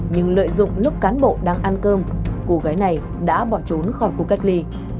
nhưng lợi dụng lúc cán bộ đang ăn cơm cô gái này đã bỏ trốn khỏi khu cách ly